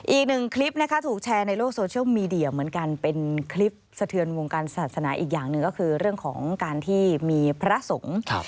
อีกหนึ่งคลิปนะคะถูกแชร์ในโลกโซเชียลมีเดียเหมือนกันเป็นคลิปสะเทือนวงการศาสนาอีกอย่างหนึ่งก็คือเรื่องของการที่มีพระสงฆ์